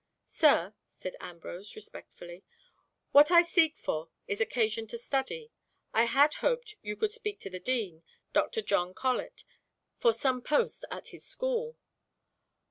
"Sir," said Ambrose, respectfully, "what I seek for is occasion for study. I had hoped you could speak to the Dean, Dr. John Colet, for some post at his school."